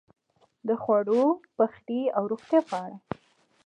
د خوړو، پخلی او روغتیا په اړه: